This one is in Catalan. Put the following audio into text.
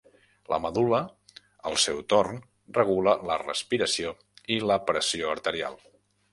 La medul·la, al seu torn, regula la respiració i la pressió arterial.